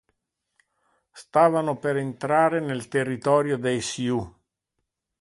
Stavano per entrare nel territorio dei Sioux.